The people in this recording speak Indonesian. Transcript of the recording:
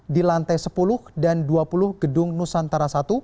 di lantai sepuluh dan dua puluh gedung nusantara satu